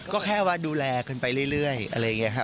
ก็แค่ว่าดูแลกันไปเรื่อยอะไรอย่างนี้ครับ